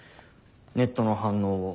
ネットの反応を。